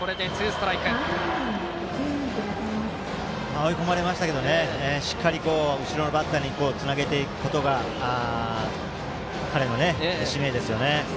追い込まれましたけどしっかり後ろのバッターにつなげていくことが彼の使命ですよね。